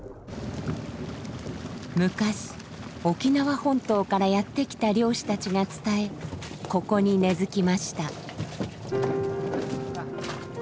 昔沖縄本島からやって来た漁師たちが伝えここに根づきました。